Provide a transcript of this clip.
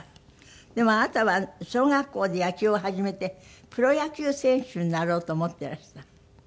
でもあなたは小学校で野球を始めてプロ野球選手になろうと思ってらした？